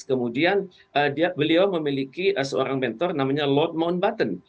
kemudian beliau memiliki seorang mentor namanya lord mountbatten